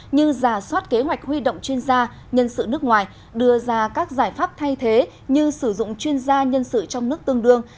như giả soát kế hoạch huy động chuyên gia nhân sự nước ngoài đưa ra các giải pháp thay thế như sử dụng chuyên gia nhân sự trong nước tương đương